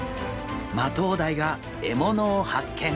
マトウダイが獲物を発見！